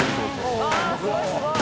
わぁすごいすごい！